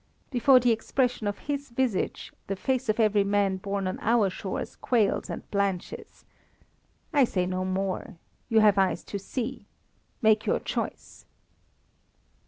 Before the expression of his visage the face of every man born on our shores quails and blanches. I say no more. You have eyes to see. Make your choice."